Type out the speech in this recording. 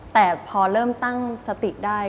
แต่พอเริ่มตั้งสติได้